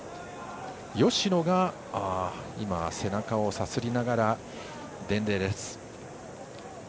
芳野が背中をさすりながら伝令です。